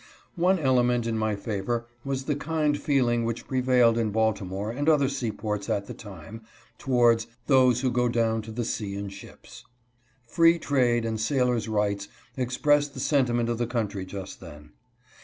One element in my favor was the kind feeling which prevailed in Baltimore and other seaports at the time, towards " those who go down to the sea in ships." " Free trade HIS KNOWLEDGE OF SHIPS. 247 and sailors' rights" expressed the sentiment of the coun try just then.